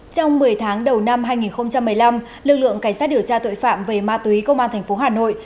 trong một mươi tháng đầu năm hai nghìn một mươi năm lực lượng cảnh sát điều tra tội phạm về ma túy công an tp hà nội